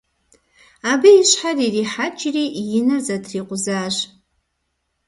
Абы и щхьэр ирихьэкӀри и нэр зэтрикъузащ.